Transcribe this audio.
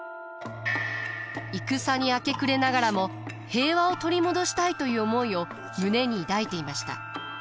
戦に明け暮れながらも平和を取り戻したいという思いを胸に抱いていました。